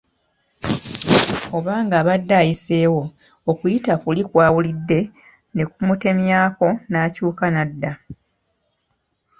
Oba ng’abadde ayiseewo, okuyita kuli kw’awulidde ne kumutemyako n’akyuka n’adda.